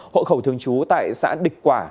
hộ khẩu thường trú tại xã địch quả